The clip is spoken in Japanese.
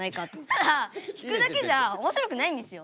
ただ弾くだけじゃおもしろくないんですよ。